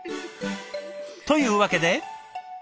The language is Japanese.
というわけで！